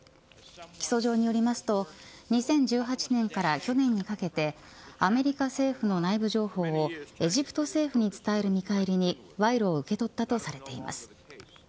起訴状によりますと２０１８年から去年にかけてアメリカ政府の内部情報をエジプト政府に伝える見返りに賄賂を受け取ったとされています。